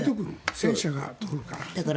戦車が通るから。